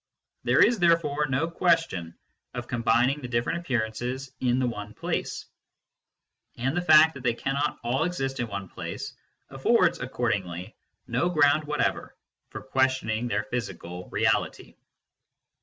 There is therefore no question of combining the different appearances in the one place ; and the fact that they cannot all exist in one place affords accordingly no ground whatever for questioning their physical reality.